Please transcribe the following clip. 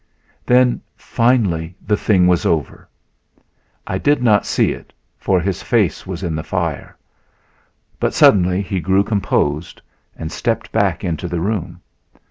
Then, finally, the thing was over! I did not see it for his face was in the fire. But suddenly he grew composed and stepped back into the room.